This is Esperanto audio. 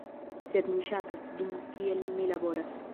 sed ni ŝatas, dum kiel mi laboras